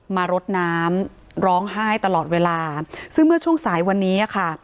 รดน้ำร้องไห้ตลอดเวลาซึ่งเมื่อช่วงสายวันนี้ค่ะ